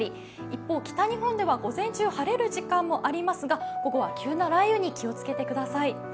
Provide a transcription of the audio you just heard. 一方、北日本では午前中晴れる時間もありますが午後は急な雷雨に気をつけてください。